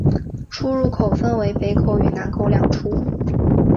出入口分为北口与南口两处。